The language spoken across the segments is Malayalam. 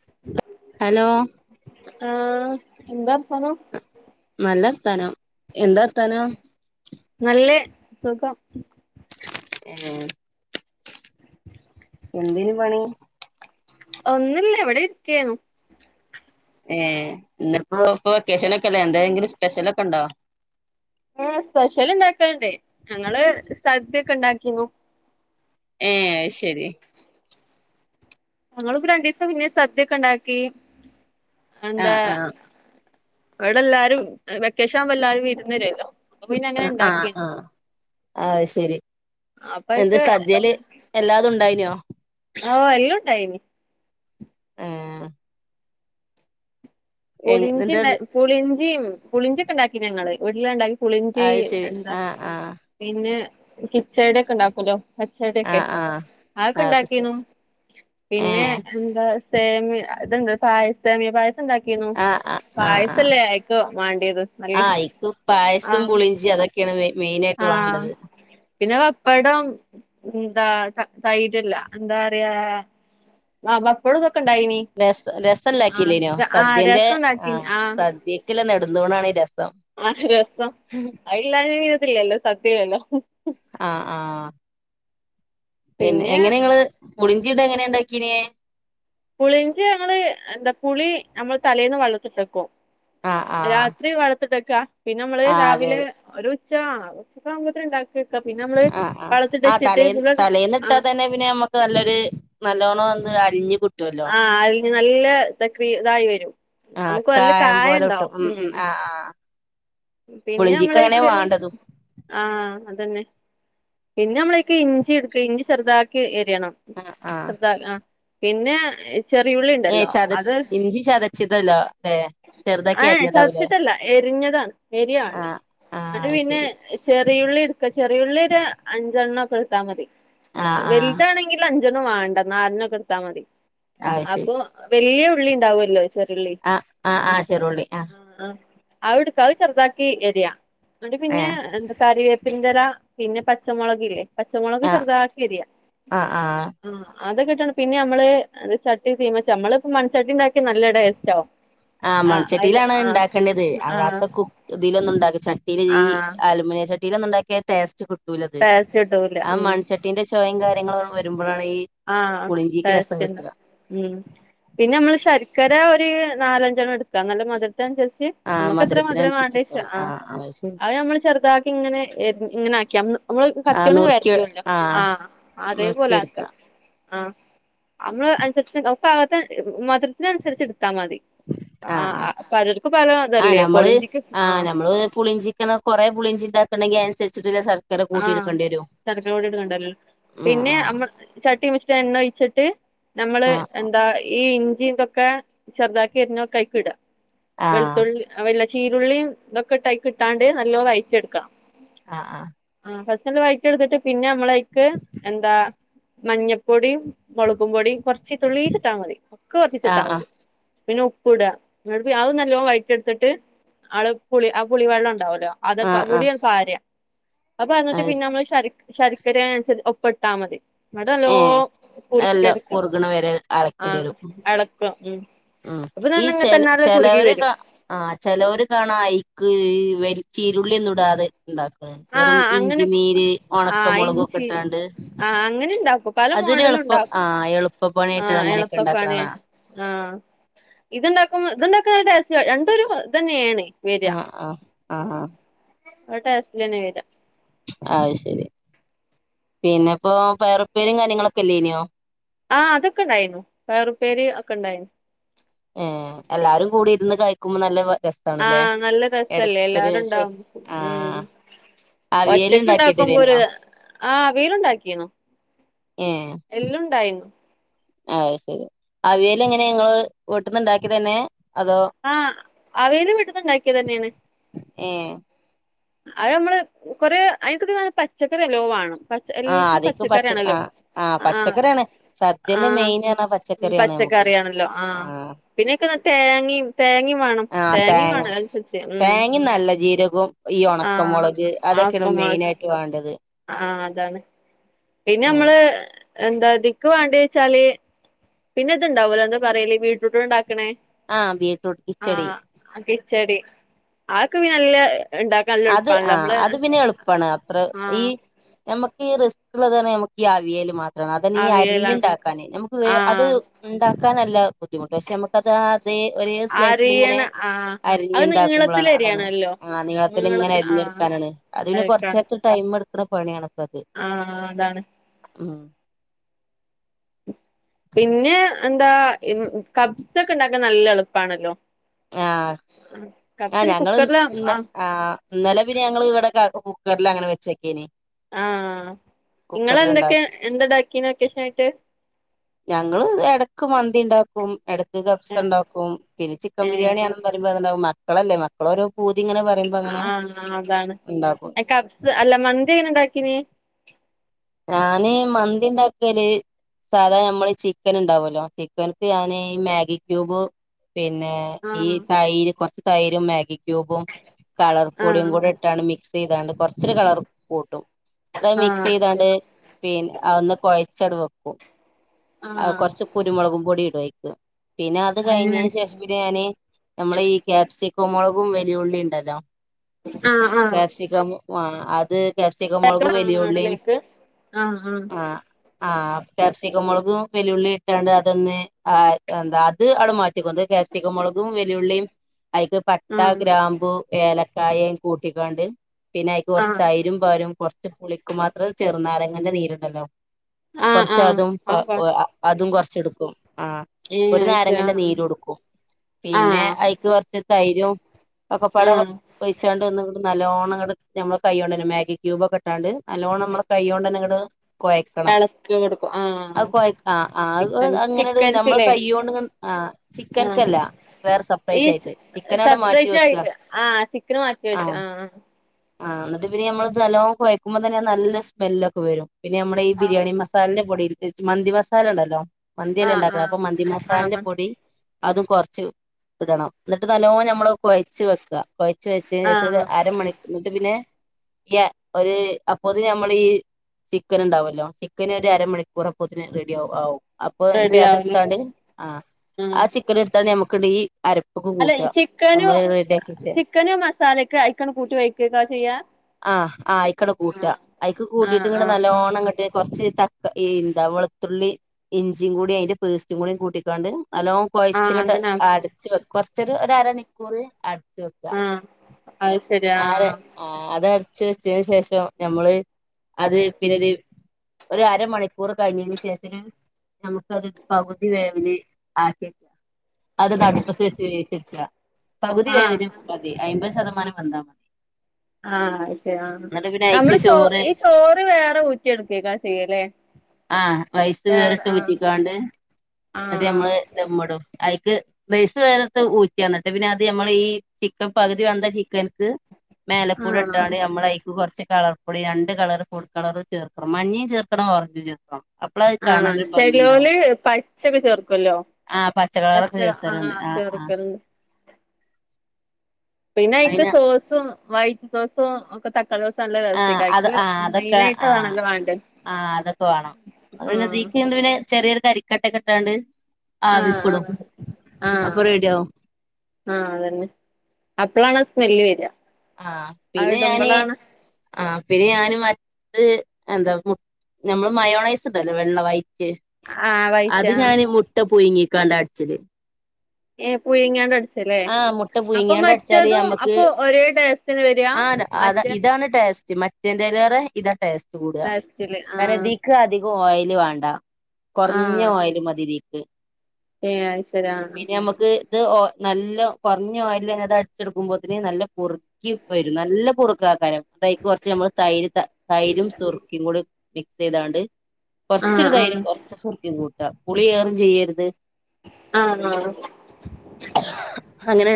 [inaudible] ഹലോ? ആ എന്താർത്താനം. നല്ലർത്താനം. എന്താർത്തനം. നല്ല് സുഖം. ഐ എന്ത്നു പണി? ഒന്നുല്ല വിടെ ഇരിക്കയ്ന്നു ഏ ഇന്ന് പ്പോ ക്കേഷ്യനോക്കെല്ലേ എന്തെങ്കിലും സ്പെഷ്യലൊക്കെ ഉണ്ടോ? ഐ സ്പെഷ്യല്ണ്ടാക്കാല്ണ്ടേ ഞങ്ങള് സദ്യൊക്കെ ഉണ്ടാക്കിന്നു. ഏ ശെരി ഞങ്ങള്പ്പോ രണ്ടിവസം പിന്നെ സദ്യ ഒക്കെ ഉണ്ടാക്കി എന്താ ആഹ് ആഹ് വടെ എല്ലാരും വെക്കേഷവുമ്പോ എല്ലാരും വിരുന്ന് വരുല്ലോ? ആഹ ആഹാ അഹ് ശരി അപ്പൊ എന്താ അയ്ക്ക് സദ്യല് എല്ലാതുണ്ടായിനോ? ഓ എല്ലും ണ്ടായിനി [unintelligible] പുളിഞ്ചി എന്നിട്ട് എന്ത് പുളിഞ്ചിം പുളിഞ്ചിക്കെ ഉണ്ടാക്കി ഞങ്ങ്ള് വിട്ട്ലാണ്ടാക്കി പുളിഞ്ചി അത് ശരി എന്താ ആഹ് ആഹ് പിന്നെ കിച്ചടീക്കെ ണ്ടാക്കല്ലോ പച്ചടിക്കെ ആഹ് ആഹ് അത് ശരി ആക്കെണ്ടാക്കീന്നു പിന്നെ ഏഹ് എന്താ സേമിയ ത്ണ്ടല്ലൊ പായസ സേമിയ പായസണ്ടാ ക്കീന്നു ആഹ് ആഹ് ആഹ് ആഹ് പായസല്ലേ ആയ്ക്കമാണ്ടിയെത് നല്ല ആഹ് കി ക്കയാണ് മെയിനായിട്ട് വാണ്ടത്. പിന്നെ വപ്പടം ന്താ തൈരല്ല എന്താറിയ ആഹ് വപ്പടുതൊക്കെണ്ടായിനി രസ രസല്ലാക്കില്ലേനോ സദ്യന്റെ രസം ഉണ്ടാക്കീനി ആഹ് സദ്യക്കില്ല നെടുംതൂണാണീ രസം. ആഹ് രസം അയ്ല്ലാഞ്ഞ പിന്നൊര്‌ത്‌ല്ലല്ലൊ സദ്യല്ലല്ലോ ആഹ് ആഹാ പിന്നെ എങ്ങനെങ്ങള് പുളിഞ്ചീങ്ങനെ ഇണ്ടാക്കീനേ? പുളിഞ്ചയങ്ങള് എന്താ പുളി ഞമ്മള് തലേന്ന് വള്ളത്തിട്ടക്കും. ആ ആ രാത്രി വള്ളത്തിട്ടക്ക പിന്നെമ്മള് ആ അതെ രാവിലെ അതെ ഒരു ഉച്ച ഉച്ചക്കാമ്പോത്തിന് ഇണ്ടാക്ക ആഹ് ആഹാ ആതലേന്ന് ആ തലേന്ന്ട്ടാ ന്നന്നെ പിന്നെ നല്ലൊരു നല്ലോണോന്ന് അലിഞ്ഞ് കിട്ടുവല്ലോ ആഹ് അയിന് നല്ലതക് ഇതായി വരും. ആ നമുക്ക് നല്ല കായം പോലെ കിട്ടും കായണ്ടാവും ഉം ആ ആ പുളിഞ്ചിക്ക് അങ്ങനെ പിന്നെമ്മളയ്ക്ക് വേണ്ടതും ആഹ് അതന്നെ. പിന്നമ്മളൈക്ക് ഇഞ്ചിട്ക്ക ഇഞ്ചി ചെർതാക്കി അരിയണം ആ ആ ചെർതാ ആഹ് പിന്നെ ഏ ചെറിയുള്ളിണ്ടല്ലോ ചത അത് [unintelligible] ചെറുതാക്കി ഏഹ് അരിഞ്ഞതാവൂലേ ചതച്ചിട്ടല്ല എരിഞ്ഞതാണ് ആ എരിയാണ്ടെ ആ ന്നട്ട് പിന്നെ ശരി ചെറിയുള്ളിട്ക്ക ചെറിയുള്ളിര് അഞ്ചെണ്ണൊക്കെടുത്താ മതി ആ ആ വെൽതാണെങ്ക അഞ്ചണ്ണും വാണ്ട നാലനോക്കെട്ത്താമതി ആ ശരി അപ്പൊ വെല്യ ഉള്ളി ഉണ്ടാവല്ലോ ചെറുള്ളി ആഹ് ആഹ് ആ ശെരുള്ളി ആഹ് അവ്ടുക്ക ചെറുതാക്കി എരിയാ എന്നട്ട്പിന്നെ ഏഹ് എന്താ കരിവേപ്പിന്റെല പിന്നെ പച്ചമൊളക് ല്ലേ പച്ചമൊളക് ആഹ് ചെറുതാക്കിയരിയാ ആഹ് ആഹ് ഉം അതൊക്കെട്ടാണ് പിന്നെയമ്മള് ചട്ടി തീമച്ചമ്മളിപ്പ മൺച്ചട്ടിണ്ടാക്കിയ നല്ല ട്ടേസ്റ്റാവും ആഹ് മൺചട്ടിയിലാണ് ഇണ്ടാക്കണ്ട്യത് ആഹ് അല്ലാത്ത കു ഇതിലൊന്നുണ്ടാക്കി ചട്ടീല് ഈ ആഹ് ആലുമിനിയ ചട്ടിയിലൊന്നുണ്ടാക്കിയ ടേസ്റ്റ് കി റ്റൂലത് ടേസ്റ്റ് കിട്ടൂല ആ ഉം മൺചട്ടീന്റെ ചൊയേം കാര്യങ്ങളും വരുമ്പളാണ് ഈ ആഹ് പുളിഞ്ചിക്ക് രസം കിട്ടുക ടേസ്റ്റ്ണ്ടാവു ഉം പിന്നമ്മള് ശര്ക്കര ഒരു നാലഞ്ചെണ്ണം എട്ക്കാ നല്ല മധുരത്തിനൻസര്ച്ച് ആഹ് നമ്മുക്കെത്ര മധുരം വേണ്ടെച്ച മധുരത്തിനനുസരിച്ചിടുക്കണം ആഹ് ശരി അത് നമ്മള് ചെറുതാക്കിങ്ങനെ ഇങ്ങനാക്കിയ അമ്മള് ആഹ് കത്യോണ്ട്ങ്ങ് നുറുക്കി വര്‌ണ്ട്യോല്ലോ ആഹ് നുറുക്കി അതേപോലാക്ക എടുക്കുക ആഹ് അമ്മള് അനുസരിച്ച് ഒപ്പാകത്ത് മാത്ര ഇതിനനുസരിച്ചെടുത്താ മതി ആഹ് പലർക്കും ആഹ് പലതല്ലേ നമ്മള് പൊളിഞ്ചിക്കും ആഹ് നമ്മള് പുളിഞ്ചിക്കണ കൊറെ പുളിഞ്ചി ണ്ടാക്കണെങ്കി അയ്നുസര്ച്ചിട്ടില്ല ശർ ആഹ് ശര്ക്കരപൊടിട് കണ്ടാല്ലോ ഉം പിന്നെ അമ്മ ചട്ടീംവെച്ചിട്ട് എണ്ണ ഒയ്ച്ചിട്ട് നമ്മള് ഉം എന്താ ഈ ഇഞ്ചിതൊ ഒക്കെ ചെർതാക്കി അരിഞ്ഞൊക്കെയ്ക്ക്ട ആഹ് ആഹ് വെളുത്തുള്ളി വെല്ല ശീരുള്ളിയും ഇതൊക്കെട്ടയ്കിട്ടാണ്ട് നല്ലൊ വയ്റ്റിയെടുക്കാം ആഹ് ആഹ് ആഹ് പെട്ടന്ന് വൈറ്റൊട്ത്തിട്ട് പിന്നെ മ്മളൈക്ക് എന്താ മഞ്ഞപ്പൊടീം മൊളകും പൊടീം കൊർച്ച് തുള്ളീച്ച്ട്ടാ മതി ക്കെ കൊർച്ചീച്ചട്ട്ട്ടാ ആഹ് ആഹ് മതി പിന്നെ ഉപ്പ്ട അത് നല്ലോ വഴറ്റെടുത്തിട്ട് ആള് പുളി ആഹ് പുളി വള്ളണ്ടാവല്ലോ ആഹ് ആഹ് [unintelligible] അപ്പൊ അന്ന്ട്ട് ആഹ് പിന്നെമ്മള് ശര് ശര്ക്കരനുസരിച്ച് ഒപ്പട്ടാമതി വടെല്ലോ ഏഹ് നല്ല കുറിക്ക്യടുക്കാം കുറുകണ വരെ അരക്കേണ്ടി ആഹ് വരും എളക്കം ഉം ഉം ഈ അപ്പൊതനെങ്ങൻ ചെല തന്നാലെ കുറുകി ചെലവര് ക വെരും ആഹ് ചെലോര് കാണാ ഐക്ക് ഇവര് ചീരുള്ളിന്നുടാതെ ഇണ്ടാക്ക് വെറും ആഹ് അങ്ങനെ ഇഞ്ചിനീര് ആഹ് ഇഞ്ചി ഒണക്കമൊളകുക്കെട്ടാണ്ട് ആഹ് അങ്ങനെ ഇണ്ടാക്കും പല മോഡലും അതൊരെളുപ്പം ഉണ്ടാക്കും ആഹ് എളുപ്പ ആഹ് പണിയാട്ടങ്ങനെയൊക്കെ എളുപ്പപ്പണി ഇണ്ടാക്ക്ണാണാ ആഹ് ഇത്ണ്ടാക്കുമ ത്ണ്ടാക്കന ടേസ്റ്റ് രണ്ടൊരു ഹ ത് ന്നെയാണ്. ആഹ് ആഹ് ആഹ് ആഹ് അ ട്ടേസ് [unintelligible] ആഹ് ശെരിയ പിന്നെപ്പോ പയറുപേരിയും കാര്യങ്ങളൊക്കെല്ലേനിയോ ആഹ് അതൊക്കെണ്ടായിന്നു പയറുപ്പേരീ അക്കെണ്ടായി ഏഹ് എല്ലാരും കൂടി ഇരുന്ന് കഴ്ക്കുമ്പോ നല്ല ര ആഹ് നല്ല രസല്ലേ എല്ലാരുണ്ടാവും ഉം ആഹ് അവിയല് ഒറ്റക്ണ്ടാക്കുമ്പോ ഒര് ഇണ്ടാക്കിട്ടില്ലേന്യോ ആഹ് അവീല്ണ്ടാക്കിനു ഏഹ് അയ് ശരി അവിയലെങ്ങനെ ങ്ങള് വീട്ടന്ന്ണ്ടാക്കിയത് ന്നെ ആഹ് അവിയല് വീട്ട്ന്ന്ണ്ടാക്കിയതന്നെയാണ്. ഏ അഹ് മ്മള് കൊറേ [unintelligible] പച്ചക്കറിനല്ലോവാണം. പച് ആ എല്ല്ത്തിനും അതേക്ക് പച്ച ആ പച്ചക്കറിയാണല്ലോ ആ ആഹ് പച്ചക്കറിയാണ് സദ്യന്റെ ആഹ് മെയിൻ പറഞ്ഞാ ഉം പച്ചക്കറിയാണ് നമുക്ക് പച്ചക്കറിയണല്ലോ ആഹ് പിന്നെക്കെന്ന തേങ്ങയും തേങ്ങയും വേണം ആഹ് തേങ്ങയും തേങ്ങ വേണം അതിനനുസരിച്ച് ഉം തേങ്ങിം നല്ല ജീരകവും ഈ ആഹ് ഒണക്കമൊളക് അതൊക്കെയാണ് ഒണക്കമുളക് മെയിനായിട്ട് വേണ്ടത്. ആഹ് അതാണ് പിന്നെമ്മള് എന്താ ദിക്ക് വേണ്ടേച്ചാല് പിന്നെത്ണ്ടാവലോ എന്താ പറയല് വീട്രൂട്ടോണ്ട്ണ്ടാക്കണേ ആഹ് ബീട്രൂട്ട് കിച്ചടി കിച്ചടി ആക്കെപിനെല്ല ഇണ്ടാക് അത് ആ അത് പിന്നെളുപ്പണ് അത്ര ഈ ആഹ് ഞമ്മെക്ക് ഈ റിസ്ക്ള്ള തന്നെ ഞമക്ക് ഈ അവിയൽ മാത്രം അതന്നേ ഈ അവിയലാണ് അരിഞ്ണ്ടാക്കാന് ഞമക്ക് അത് ആഹ് ണ്ടാക്കാനല്ല ബുദ്ധിമുട്ട് വഷേ നമുക്കത് ആ അത് ഒരേ സ്ലൈസ്ൽ ഇങ്ങനെ അരിയണ ആഹ് അത് നീളത്തില് അരിഞ്ഞുണ്ടാക്കുമ്പോളാണ് അതാണ് അരിയണല്ലോ ആ നീളത്തിൽ ഇങ്ങനെ അരിഞ്ഞെടുക്കാനാണ് അതിന്നെ അതൊക്കാണ് കൊർചേര ടൈം എടുക്ണ പണിയാണ് ഇപ്പ അത് ആഹ് അതാണ് ഉം പിന്നെ എന്താ മ് കബ്സക്കെണ്ടാക്കാൻ നല്ല എളുപ്പാണല്ലോ ആഹ് ആ കബ്സിന് ഞങ്ങള് കുക്കറില് ഇന്ന് ആഹ് ഇന്നലെ പിന്നെ ഞങ്ങൾ ഇവിടെ കാ കുക്കർൽ അങ്ങനെ വെച്ച ആഹ് കുക്കറിൽ ഇങ്ങളെന്തൊക്കെ ഉണ്ടാക്കി എന്തടാക്കി ലക്കേഷൻ ആയിട്ട് ഞങ്ങള് എടക്ക് മന്തിണ്ടാക്കും എടക്ക് ഏഹ് കഫ്സണ്ടാക്കും പിന്നെ ചിക്കൻ ഏഹ് ബിരിയാണിയാണ് മക്കളല്ലേ മക്കളോരോ പൂതി ഇങ്ങനെ പറയോമ് ആഹ് അതാണ് അഹ്കഫ്സ് അല്ല മന്തി എങ്ങനെ ഉണ്ടാക്കിന്? ഞാന് മന്തിണ്ടാക്കല് സാധാ ഞമ്മൾ ചിക്കൻണ്ടാവല്ലോ ചിക്കൻക്ക് ഞാന് ഈ മാഗി ക്യൂബ് പിന്നെ ഈ ആഹ് തൈര് കൊർച് തൈരും മാഗി ക്യൂബും കളർ പൊടിയും കൂടി ആഹ് ഇട്ടാണ് മിക്സ് മിചെയ്താണ്ട് കൊർച്ചൊരു കളർ കൂട്ടും അത് മിക്സ് ആഹ് ചെയ്തണ്ട് ശരി പിന്നെ അഒന്ന് കൊഴച്ചട് വെക്കും ആഹ് കൊർച്ച് കുരുമുളകും പൊടി ഇടും അയ്ക് പിന്നെ അത് അങ്ങനെ കഴിഞ്ഞതിന് ശേഷം ബിരിയാനീ നമ്മളെ ഈ ക്യാപ്സിക്കോമൊളകും വെലിയ ഉള്ളിണ്ടല്ലോ ആഹ് ആഹ് കേപ്സിക്കം ആ അത് ക്യാപ്സിക്കമൊൾക്കും വെലിയുള്ളീം. ആണല്ലേക്ക് ആഹ് ആഹ് ആഹ് ആഹ് ക്യാപ്സിക്ക മുളകും വെല്ലുഉളി ഇട്ടാണ്ട് അതൊന്ന എന്താ അത് അവിടെ മാറ്റ. ക്യാപ്സിക്ക മുളകും വലിയ ഉള്ളിയും അതിലേക്ക്. പട്ട ആഹ് ഗ്രാമ്പു ഏലക്കായയും കൂട്ടിക്കണ്ട് പിന്നെ ആഹ് കുറച്ച് ആഹ് തൈരും പോരും കുറച്ച്. പുളക്ക് മാത്രം ചെറുനാരങ്ങന്റെ നീരുണ്ടല്ലോ ആഹ് കുറച്ച ആഹ് അതും. അവൻ കൊ അതും കൊറച്ച് എടുക്കും ആ ഏഹ് ഒരു നാരങ്ങന്റെ അയ്ശരി നീര്ടുക്കും ആഹ് പിന്നെ. ആഹ് ഇജ്ജ് കുറച്ച് തൈരും ഒക്കെ പാട. ആഹ് ഒഴിച്ചാണ്ട്ന്ന നല്ലോണം നമ്മ കയ്യൊണ്ട മാഗി ക്യൂബൊക്കെട്ടാണ്ട് നല്ലോണം നമ്മ. കൈ്യോണ്ടന്നെങ്ങട്‌ കുഴക്കണം എളക്കി കൊടുക്കും ആ ആഹ് കൊ ആ ആ ചിക്കൻ അങ്ങനെ നമ്മള് ചിക്കൻക്കില്ലേ കയൊണ്ട് ആ. ആഹ് ചിക്കനക്കല്ല വേറെ ഈ സെപ്പറേറ്റ് ആയിട്ട് ചിക്കനോവിടെ മാറ്റി സെപ്പറേറ്റ് വെക്കുക ആയിട്ട് ആഹ് ചിക്കന് മാറ്റി വെച്ച് ആഹ. ആഹ് ആഹ് എന്നട്ട് പിന്നെ നമ്മള് നല്ലോം കൊയ്ക്കുമ്പോ തന്നെ നല്ല സ്മെല്ലൊ ഒെരും പിന്നെ നമ്മുടെ ഈ ആഹ് ബിരിയാണി മ. മസാലിന്റെ പൊടി മന്തി മസാല ഉണ്ടല്ലോ മന്തിെല്ലാം ആഹ് ഉണ്ടാക്കുന്നത് ആഹ് അപ്പൊ മന്തി ആഹ് മസാലിന്റെ മ പൊടി. അതും കുറച്ച് ഇടണം എന്നിട്ട് നലോ ഞമ്മള് കൊഴച്ച് വെക്കുക കൊഴ. ചേച്ച ശേഷം ആഹ് അര മണി എന്നിട്ട് പിന്നെ ഈ ഒരു അപ്പോത് നഞമ്മൾ ഈ. ചിക്കൻ ഉണ്ടാവുല്ലോ ചിക്കന് ഒരു അരമണിക്കൂർപ്പത്തിന് റെഡി ആ ആവും. അപ്പൊ എ റെഡി ആവുലേ അതെടുത്തണ്ട് ആ ആ ആഹ് ചിക്കൻ എടുത്താണ് നമക്ക് ഈ അരപ്പ. ക്കെ കൂട്ടുക നമ്മള് റെഡി ആക്കിച്ച. ചിക്കനോ മസാലയൊക്കെ അക്കും കൂട്ടി വെക്കുക ചെയ്യാ. ആഹ് ആ അഐക്കടെ കൂട്ടാ ആഹ് അഐക്ക് കൂട്ടീട്ട് ആഹ് ഇങ്ങടെ ആഹ് നല്ലോണം അ ഇങ്ങട്ട്. കുറച്ച് തക്ക എന്താ വെളുത്തുള്ളി ഇഞ്ചിയും കൂദി അതിന്റെ പേഴ്റ്റും കൂടിും കൂട്ടിക്കാണ്ട് അല്ലോ. ആഹ് കൊഴച്ചങ്ങട്ട് അങ്ങനെ അടച്ച് കൊറച്ചൊരു ഒരമണിക്കൂറ് അടച്ച് വെക്കുക. ആയ് ആര അത അടച്ച് വെച്ചതിന് ശേഷം ഞമ്മള് അത് പിന്നെത്. ഒരു അരമണിക്കൂർ കഴിഞ്ഞതിന് ശേഷം നമുക്ക അത് പകുതി വേവനി. അത് തടുടുപ്പത്തി വെച്ച് വച്ചിരിക്ക പകുതി ആഹ് കതി അമ്പത് ശതമാനം. അന്താ മതി. ആഹ് ശരി ആ എന്നിട്ട് പിന്നെ അയ്ക്ക് നമ്മള് ചോ ചോറ് ഈ ചോറ് വേറെ ഊറ്റിയ എടുക്കക്കാരം ചെയ്യലേ. റൈസ് വേറിട്ട് ഊറ്റിക്കണ്ട് അത് ആഹ് ആഹ് നമ്മള്. ധമ്മ്ടും ഐക്ക് റൈസ് വേറ ഊറ്റന്നട്ട് പിന്നെ അത് നമ്മൾ ഈ. ഇപ്പൊ പകുതി വെത്ന ചിക്കന്ക്ക് മേലക്കൂടെ ആഹ് ഇട്ടാണ് നമ്മളയിക്ക് കൊറച്ച് കളർ. പ്പൊടി രണ്ട് കളറ് ഫുഡ് കളർ ചേർക്കണം മഞ്ഞയും ചേർക്കണം ഓഞ്ച് ചേർ ആഹ് അപ്ലൈ ആഹ് ചെലൊല് പച്ചക്കെ ചേർക്കല്ലോ. ആഹ് പച്ച പച്ചക്കളറൊക്കെ ആഹ് ചേർത്തലുണ്ട് ആഹ് ചെർക്കല്ണ്ട്. പിന്നെ അയിക്ക് അയ്ന് സോസും വൈറ്റ് സോസും ഒക്കെ ത ആഹ് അത് ആഹ് അതൊക്കെ ആഹ് അതാണല്ലോ വേണ്ടേ ആഹ് അതൊക്കെ വാണം. അത്പിന്നെ ആഹ് ദീക്ക് പിന്നെ ചെറിയൊരു കരിക്കട്ടക്കെ ഇട്ടാണ്ട്. ആഹ് ആവിക്കിടും ആഹ് ആഹ് അപ്പൊ റെഡിയാവും ആഹ് അതന്നെ അപ്പളാണ് ആസ്മെല്ല് വര ആഹ് പിന്നെ ഞാന് ആഹ് പിന്നെ ഞാന് മറ്റ എന്ത മു നമ്മള് മയോണൈസ്ണ്ടല്ലോ വെള്ള വൈറ്റ്. ആഹ് അത് വൈറ്റാ ഞാന് മുട്ട പുയങ്ങിക്കാണ്ട അടിച്ചല്. ഏ പുയിങ്ങയാണ്ട അടിച്ചല്ലേ ആഹ് മുട്ട അപ്പൊ പുഴുങ്ങിയാണ്ട് അടിച്ചാല് മറ്റതും നമ്മക്ക് അപ്പൊ ഒരേ ടേസ്റ്റ് ന്നെവര ഇതാണ് ടേസ്റ്റ് മറ്റേന്തലേറെ ഇതാ ടേസ്റ്റ് കൂട ടേസ്റ്റില് കാരണം ആഹ് ദീ ക്ക് അധികം ഓയിയില് വേണ്ട കൊറഞ്ഞ ആഹ് ഓയില് മതി ദീക്ക് ഏഹ് അത് ശരി ആഹ് പിന്നെ നമക്ക്. അത് നല്ല കൊറഞ്ഞ ഓയിലന്നെ അത് അടിച്ചെടുക്കുമ്പോത്ത്ന് നല്ല കുറ് കിം വരും നല്ല കുറുക്ക ആക്കാരംന്നട്ട് അയിക്ക് കൊറച്ച് നമ്മൾ തൈര് തൈരും സുറുക്കി കൂടി ചെയ്യ്താണ്ട് കൊറച്ചൊരു തൈരും ആഹ് കൊറച്ച് സുർക്കിം കൂട്ട പുളിയേറും ചെയ്യരുത്. ആഹ് ആഹ് അങ്ങനെ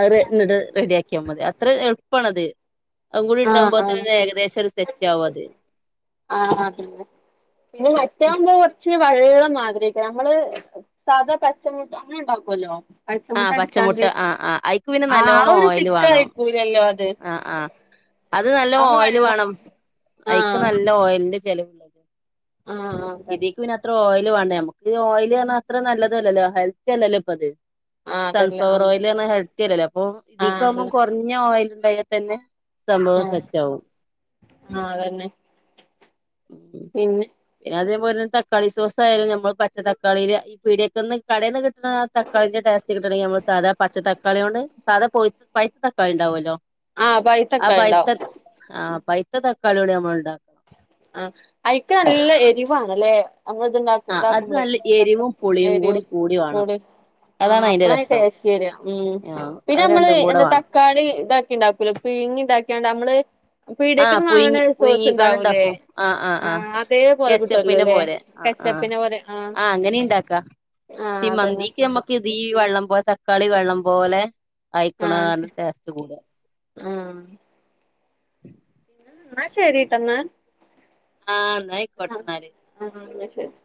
അവര് ന്നിട്ട് റെഡി ആക്കിയൽ മതി അത്ര എളുപ്പണത് അതും കൂടി ആഹ് ആഹ് ഇട്ടാകുമ്പോത്തിന് ഏകദേശം ഒരു സെറ്റ് ആകും അത് ആഹ് ആഹ് പിന്നെ പിന്നെ മറ്റാവുമ്പോ കൊറച്ച് വള്ള മാതിരി ആക്കാരം നമ്മള് സാത പച്ചമുട്ട അങ്ങനെ ഉണ്ടാക്കുല്ലോ ആ പച്ചമുട്ട പച്ചമുട്ട അടിച്ചാണ്ട് ആ ആ അയ്ക്ക് പിന്നെ ആഹ് ആതൊരു തിക്ക ആയിക്കൂലല്ലോ ആഹ് ആഹ് അത് നല്ല ഓയിൽ വെള്ളം വാണം ഐക്ക് ആഹ് നല്ല ഓയിലിന്റെ ചെിലവ ആഹ് അതന്നെ ഇതീക്ക് പിന്നെ അത്ര ഓയില് വേണ്ട നമുക്ക് ഓയില് പറഞ്ഞ അത്ര നല്ലതല്ലല്ലോ ഹെൽത്തി അല്ലല്ലോ ഇപ്പ അത് ആഹ് അതല്ല സൺഫ്ലവർ ആഹ് ഓയിൽപറഞ്ഞ ഹെൽത്തി അല്ലല്ലോ അപ്പൊ ആഹ് ഇതിക്കവുമ്പോ അതന്നെ കൊറഞ്ഞ ഓയിൽ ഉണ്ടായാൽ തന്നെ സഭവം ആഹ് സെറ്റാവും ആഹ് അതന്നെ പിന്നെ പിന്നെ അതേപോലെ തന്നെ തക്കാളി സോസ ആയാലും നമ്മ പച്ച തക്കാളിയില് ഈ പിടിയൊക്ക ഒന്ന് കടയിൽന്ന് കിട്ടണ ആ തക്കാളിന്റെ ടേസ്റ്റ് കിട്ടണെങ്കിൽ നമ്മള് സാധാ പച്ച തക്കാളിയോണ്ട് സാധാ പോയി പൈത്ത തക്കാ ഉണ്ടാവല്ലോ ആ ആ പൈത്തൊക്കെ പൈത്ത ഉണ്ടാവും ആ പൈ അ തക്കളിയൊണ്ട് നമൾണ്ടാക്കും ആഹ് ഐക്ക് നല്ല എരിവാണ് അല്ലെ നമ്മള ഇത്ണ്ട ആ അത് ഇതാക്കുമ്പളെ നല്ല താക്ക എരിവും പുളിയും രി കൂടി കൂടി വേണം കൂട് അതാണ് ആഹ് അയിന്റെ അപ്പള അതിൻ്റെ രസം ടേസ്റ്റ് വര ഉം ആ പിന്നെ അത് നമ്മള് രണ്ടും കൂടെ എന്താ വേണം ത ക്കാളി ഇതാക്കി ഉണ്ടാക്കൂല പിന്നെ പിയിങ്ങി ഇതാക്കിയാണ്ട് നമ്മള് ആഹ് പീടിയേക്ക്ന്ന് പുയുങ്ങി വാങ്ങണ സോസ് പുയുങ്ങിക്കാണ്ട് ഉണ്ടാവൂലേ ണ്ടാക്കും ആഹ് ആഹ് ആ ആഹ് അതേപോലെ കച്ചപ്പിനെ കിട്ടുവല്ലോല്ലേ പോലെ ആ ആഹ് കെച്ചപ്പിനെ പോലെ ആ ആഹ് അങ്ങനെുണ്ടാക്കാ ആ ഈ മന്തി അതന്നെ ക്ക് ഞമ്മക്ക് തീ വെള്ളം പോലെ തക്കാളി വെള്ളം പോലെ അയക്ക്ണതാണ് ടേസ്റ്റ് കൂട ആഹ് [inaudible] ന്ന ശരിട്ടാ ന്നാ ആഹ് നയി കൊട്ട നാല് [unintelligible] ന്ന ശരി